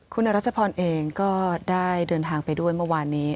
คุณอรัชพรเองก็ได้เดินทางไปด้วยเมื่อวานนี้